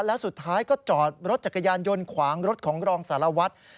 และสุดท้ายก็จอดรถจักรยานยนต์ขวางรถของรองสารวัตร